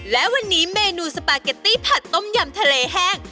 และวันนี้เมนูสปาเกตตี้ผัดต้มยำทะเลแห้ง